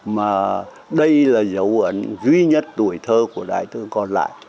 mà đây là dấu ấn duy nhất tuổi thơ của đại tướng còn lại